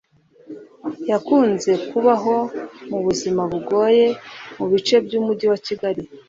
yakunze kubaho mu buzima bugoye mu bice by’umujyi wa Kigali